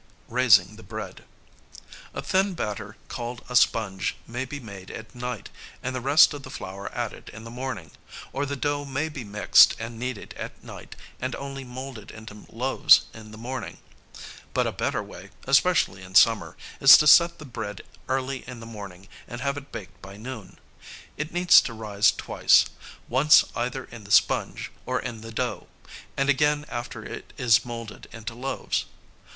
[Sidenote: Raising the bread.] A thin batter called a sponge may be made at night, and the rest of the flour added in the morning, or the dough may be mixed and kneaded at night and only molded into loaves in the morning; but a better way, especially in summer, is to set the bread early in the morning and have it baked by noon. It needs to rise twice, once either in the sponge or in the dough, and again after it is molded into loaves.